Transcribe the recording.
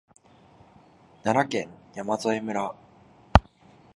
奈良県山添村